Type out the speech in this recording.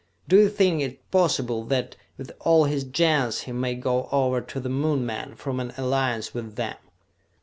Do you think it possible that, with all his Gens, he may go over to the Moon men, form an alliance with them?"